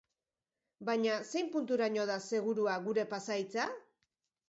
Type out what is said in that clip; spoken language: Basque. Baina zein punturaino da segurua gure pasahitza?